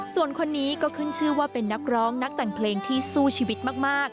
ส่วนคนนี้ก็ขึ้นชื่อว่าเป็นนักร้องนักแต่งเพลงที่สู้ชีวิตมาก